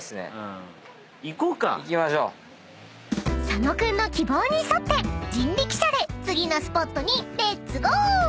［佐野君の希望に沿って人力車で次のスポットにレッツゴー！］